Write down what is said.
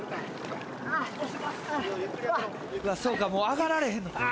そうかもう上がられへんのか。